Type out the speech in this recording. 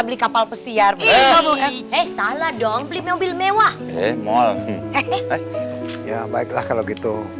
beli kapal pesiar gue nggak boleh eh salah dong bli mobil mewah ke malem hehehe ya baiklah kalau gitu